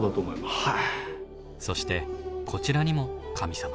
そしてこちらにも神様。